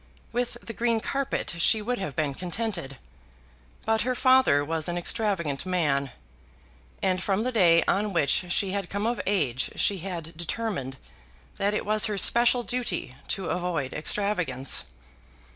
With the green carpet she would have been contented. But her father was an extravagant man; and from the day on which she had come of age she had determined that it was her special duty to avoid extravagance.